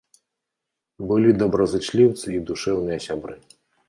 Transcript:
Былі добразычліўцы і душэўныя сябры.